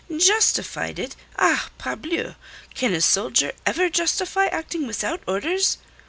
"Justified it! Ah, parbleu! Can a soldier ever justify acting without orders?"